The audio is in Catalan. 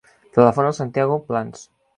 Telefona al Santiago Plans.